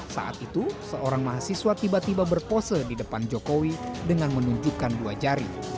saat itu seorang mahasiswa tiba tiba berpose di depan jokowi dengan menunjukkan dua jari